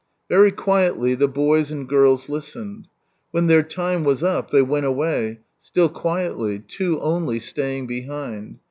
Very quietly the boys and girls listened. When their time was up, they went away, still quietly, two only staying behind.